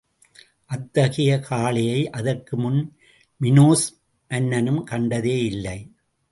அத்தகைய காளையை அதற்கு முன் மினோஸ் மன்னனும் கண்டதேயில்லை.